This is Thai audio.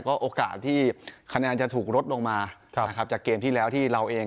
ก็โอกาสที่คะแนนจะถูกลดลงมานะครับจากเกมที่แล้วที่เราเอง